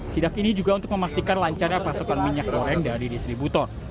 sidak ini juga untuk memastikan lancarnya pasokan minyak goreng dari distributor